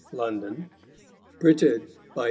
London: Printed by Tho.